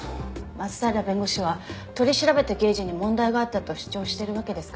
松平弁護士は取り調べた刑事に問題があったと主張してるわけですから。